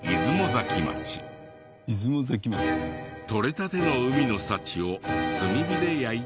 とれたての海の幸を炭火で焼いた。